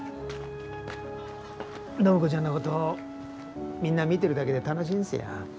暢子ちゃんのことみんな見てるだけで楽しいんですよ。